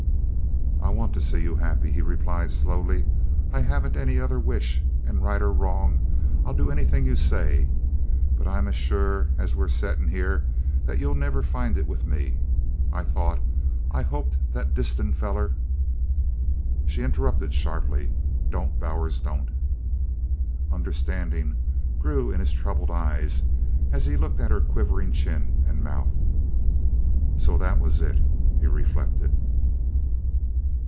"I want to see you happy," he replied slowly. "I haven't any other wish, and, right or wrong, I'll do anything you say, but I'm as shore as we're settin' here that you'll never find it with me. I thought I hoped that Disston feller " She interrupted sharply: "Don't, Bowers, don't!" Understanding grew in his troubled eyes as he looked at her quivering chin and mouth. "So that was it!" he reflected.